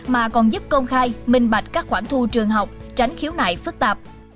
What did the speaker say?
mà còn giúp công khai minh bạch các khoản thu trường học tránh khiếu nại phức tạp